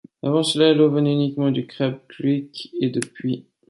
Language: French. Avant cela, l'eau venait uniquement du Crab Creek et de puits.